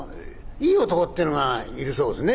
「いい男ってぇのがいるそうですね？」。